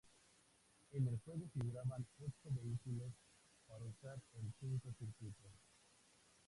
En el juego figuraban ocho vehículos para usar en cinco circuitos.